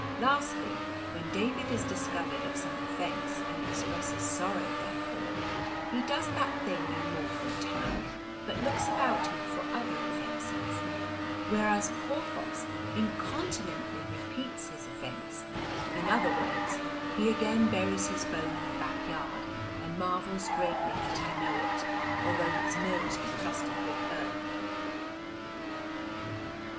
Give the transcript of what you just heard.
Lastly, when David is discovered of some offence and expresses sorrow therefor, he does that thing no more for a time, but looks about him for other offences, whereas Porthos incontinently repeats his offence, in other words, he again buries his bone in the backyard, and marvels greatly that I know it, although his nose be crusted with earth.